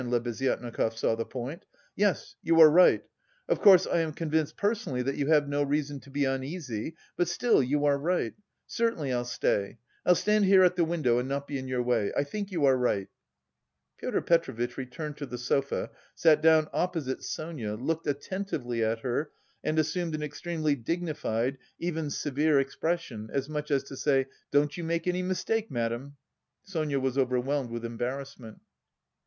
Lebeziatnikov saw the point. "Yes, you are right.... Of course, I am convinced personally that you have no reason to be uneasy, but... still, you are right. Certainly I'll stay. I'll stand here at the window and not be in your way... I think you are right..." Pyotr Petrovitch returned to the sofa, sat down opposite Sonia, looked attentively at her and assumed an extremely dignified, even severe expression, as much as to say, "don't you make any mistake, madam." Sonia was overwhelmed with embarrassment.